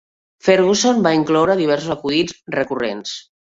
Ferguson va incloure diversos acudits recurrents.